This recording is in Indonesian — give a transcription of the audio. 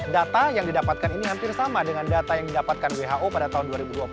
data yang didapatkan ini hampir sama dengan data yang didapatkan who pada tahun dua ribu dua puluh